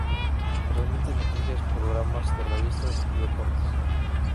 Transmite noticias, programas de revista y deportes.